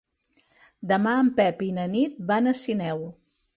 Demà en Pep i na Nit van a Sineu.